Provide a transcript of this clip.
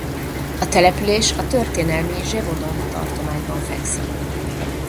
A település a történelmi Gévaudan tartományban fekszik.